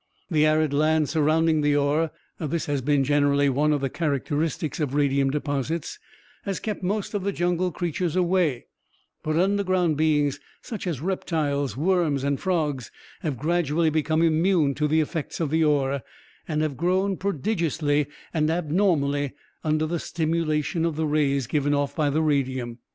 The arid land surrounding the ore this has been, generally, one of the characteristics of radium deposits has kept most of the jungle creatures away, but underground beings such as reptiles, worms and frogs, have gradually become immune to the effects of the ore and have grown prodigiously and abnormally under the stimulation of the rays given off by the radium.